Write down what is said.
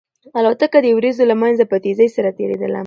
الوتکه د وريځو له منځه په تېزۍ سره تېرېدله.